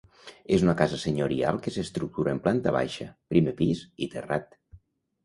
És una casa senyorial que s'estructura en planta baixa, primer pis i terrat.